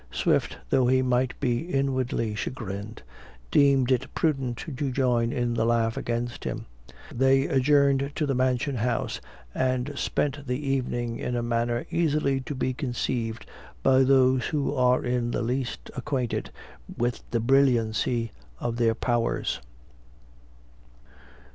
Swift, though he might be inwardly chagrined, deemed it prudent to join in the laugh against himself; they adjourned to the mansion house, and spent the evening in a manner easily to be conceived by those who are in the least acquainted with the brilliancy of their powers.